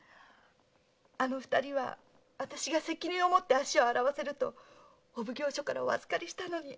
あの二人は私が責任を持って足を洗わせるとお奉行所からお預かりしたのに。